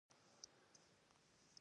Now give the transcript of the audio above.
خو تا وطن پرې نه ښود.